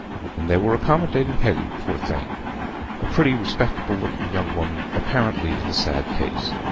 And they were accommodating Hetty, poor thing—a pretty, respectable looking young woman, apparently in a sad case.